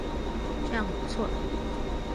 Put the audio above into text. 这样很不错